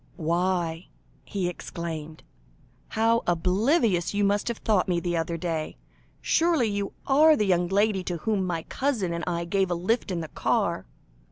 "Why," he exclaimed, "how oblivious you must have thought me the other day! Surely you are the young lady to whom my cousin and I gave a lift in the car?"